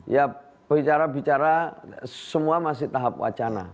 ya bicara bicara semua masih tahap wacana